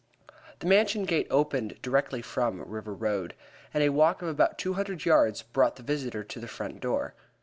The Mansion gate opened directly from River Road, and a walk of about two hundred yards brought the visitor to the front door.